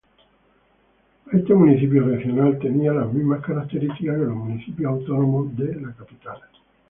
Este municipio regional tenía las mismas características que los municipios autónomos de la capital.